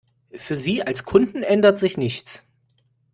Für Sie als Kunden ändert sich nichts.